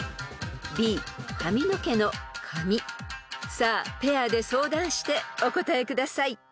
［さあペアで相談してお答えください］